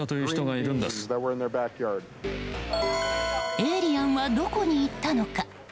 エイリアンはどこに行ったのか。